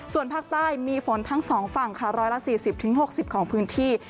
ส่วนภาคใต้มีฝนทั้ง๒ฝั่งค่ะ๑๔๐๖๐ของพื้นที่